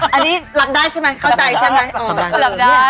อันนี้รับได้ใช่ไหมเข้าใจใช่ไหมอ๋อรับได้